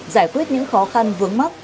giải quyết những khó khăn vướng mắt